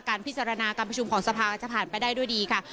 การพิชุมของสภาคจะผ่านไปได้ด้วยดีค่ะ